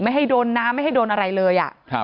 ให้โดนน้ำไม่ให้โดนอะไรเลย